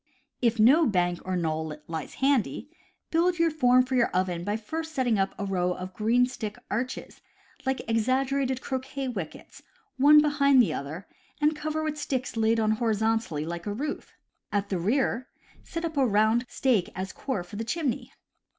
If no bank or knoll lies handy, build a form for your oven by first setting up a row of green stick arches, like exaggerated croquet wickets, one behind the other, and cover with sticks laid on horizontally like a roof. At the rear, set up a round stake as core for the chimney.